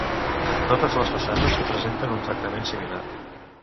Totes les façanes presenten un tractament similar.